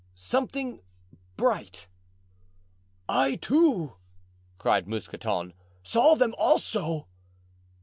"Something bright." "I, too," cried Mousqueton, "saw them also."